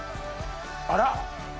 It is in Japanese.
あら！